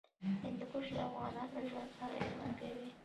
هندوکش د افغانانو ژوند اغېزمن کوي.